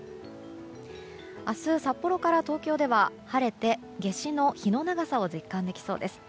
明日、札幌から東京では晴れて、夏至の日の長さを実感できそうです。